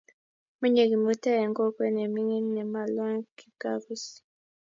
Menye Kimutai eng kokwet ne mining nemaloo ak Kipkabus